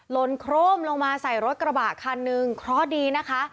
ลนโคร่มลงมาใส่รถกระบะคันนึงเคราะห์ดีนะคะ